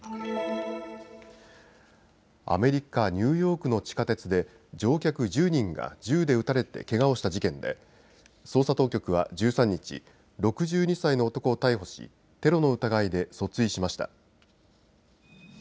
アメリカ・ニューヨークの地下鉄で乗客１０人が銃で撃たれてけがをした事件で捜査当局は１３日、６２歳の男を逮捕しテロの疑いで訴追しました。